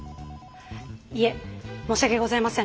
いえ申し訳ございません。